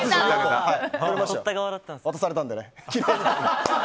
渡されたのでね。